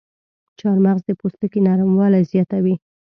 چارمغز د پوستکي نرموالی زیاتوي.